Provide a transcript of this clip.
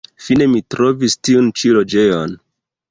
Fine mi trovis tiun ĉi loĝejon.